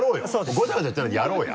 ごちゃごちゃ言ってないでやろうや。